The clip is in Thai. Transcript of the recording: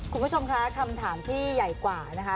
คุณผู้ชมคะคำถามที่ใหญ่กว่านะคะ